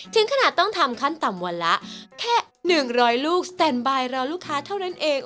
ถึงขนาดต้องทำขั้นต่ำวันละแค่๑๐๐ลูกสแตนบายรอลูกค้าเท่านั้นเอง